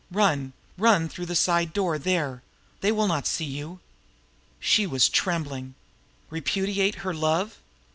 Run run through the side door there they will not see you." She was trembling. Repudiate her love?